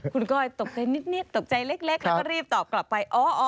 คุณก้อยตกใจนิดตกใจเล็กแล้วก็รีบตอบกลับไป